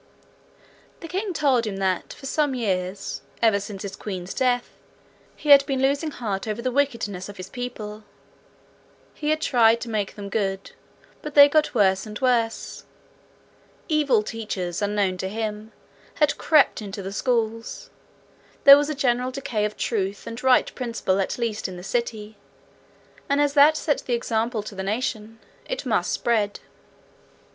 The king told him that for some years, ever since his queen's death, he had been losing heart over the wickedness of his people. He had tried hard to make them good, but they got worse and worse. Evil teachers, unknown to him, had crept into the schools; there was a general decay of truth and right principle at least in the city; and as that set the example to the nation, it must spread.